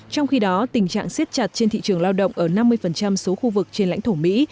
trong khi đó tình trạng siết chặt trên thị trường lao động ở năm mươi số khu vực trên lãnh thổ mỹ